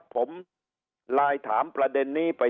ผมลายถามประเด็นนี้